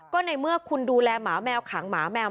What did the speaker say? ก็ในเมื่อคุณดูแลแมวขังมาวันนั้น